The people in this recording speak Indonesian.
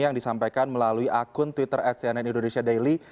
yang disampaikan melalui akun twitter at cnn indonesia daily